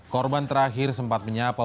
korban terakhir sempat menyapa